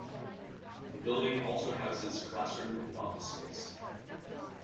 The building also houses classroom and office space.